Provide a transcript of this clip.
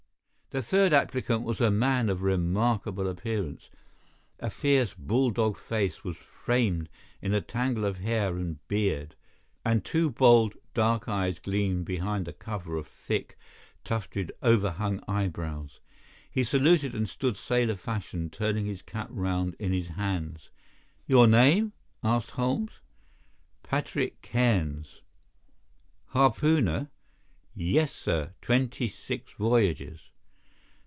The third applicant was a man of remarkable appearance. A fierce bull dog face was framed in a tangle of hair and beard, and two bold, dark eyes gleamed behind the cover of thick, tufted, overhung eyebrows. He saluted and stood sailor fashion, turning his cap round in his hands. "Your name?" asked Holmes. "Patrick Cairns." "Harpooner?" "Yes, sir. Twenty six voyages."